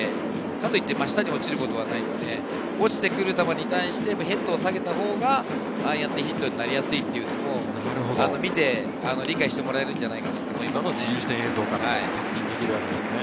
かといって、真下に落ちることはないので、落ちてくる球に対してヘッドを下げたほうがヒットになりやすいというのが見て理解してもらえるのではないかと思います。